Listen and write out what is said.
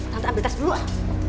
tante ambil tas dulu ah